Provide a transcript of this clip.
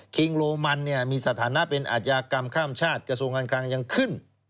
คิงโรมันเนี่ยมีสถานะเป็นอาชญากรรมข้ามชาติกระทรวงการคลังยังขึ้น